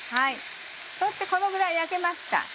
そうしてこのぐらい焼けました。